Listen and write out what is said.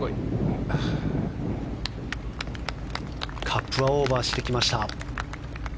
カップはオーバーしてきました。